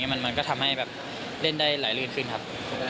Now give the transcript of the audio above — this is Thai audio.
มันก็ทำให้แบบเล่นได้ไหลลื่นขึ้นครับ